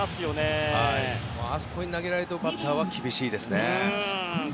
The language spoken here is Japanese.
あそこに投げられるとバッターは厳しいですね。